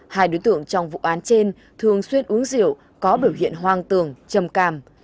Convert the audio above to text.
hai đối tượng trong vụ án trên thường xuyên uống rượu có biểu hiện hoang tường chầm càm